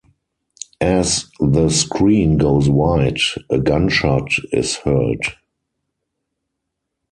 As the screen goes white, a gunshot is heard.